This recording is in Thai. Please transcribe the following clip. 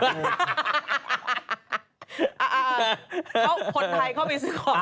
คนไทยเข้าไปซื้อของ